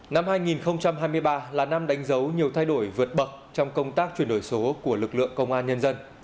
năm hai nghìn hai mươi ba là năm đánh dấu nhiều thay đổi vượt bậc trong công tác chuyển đổi số của lực lượng công an nhân dân